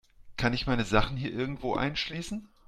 Kann ich meine Sachen hier irgendwo einschließen?